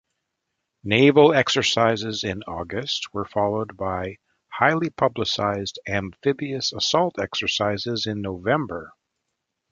Naval exercises in August were followed by highly publicized amphibious assault exercises in November.